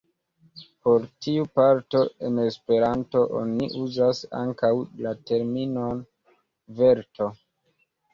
Por tiu parto en Esperanto oni uzas ankaŭ la terminon "verto".